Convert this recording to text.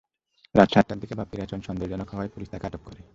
রাত সাতটার দিকে বাপ্পীর আচরণ সন্দেহজনক হওয়ায় পুলিশ তাঁকে আটক করে।